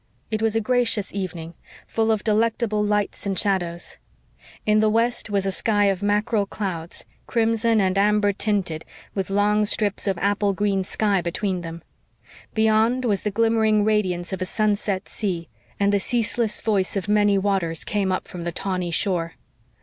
It was a gracious evening, full of delectable lights and shadows. In the west was a sky of mackerel clouds crimson and amber tinted, with long strips of apple green sky between. Beyond was the glimmering radiance of a sunset sea, and the ceaseless voice of many waters came up from the tawny shore.